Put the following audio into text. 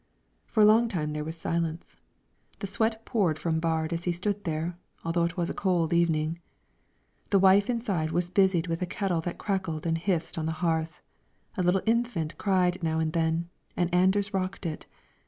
For a long time there was silence; the sweat poured from Baard as he stood there, although it was a cold evening. The wife inside was busied with a kettle that crackled and hissed on the hearth; a little infant cried now and then, and Anders rocked it.